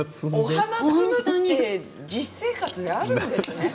お花を摘むって実生活であるんですね。